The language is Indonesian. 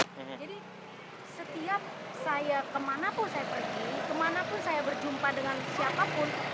jadi setiap saya kemanapun saya pergi kemanapun saya berjumpa dengan siapapun